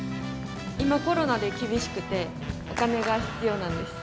今コロナで厳しくてお金が必要なんです。